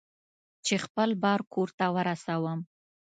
چې خپل بار کور ته ورسوم.